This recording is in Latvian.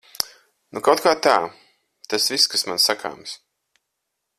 Nu kautkā tā. Tas viss, kas man sakāms.